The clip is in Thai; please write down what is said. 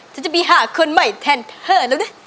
ฉันจะมีหาคนใหม่แทนเธอแล้วน่ะ